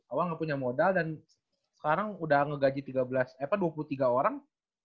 awal nggak punya modal dan sekarang udah ngegaji dua puluh tiga orang